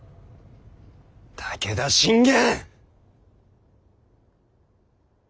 武田信玄！